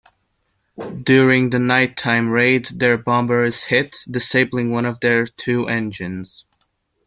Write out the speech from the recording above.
During the nighttime raid, their bomber is hit, disabling one of their two engines.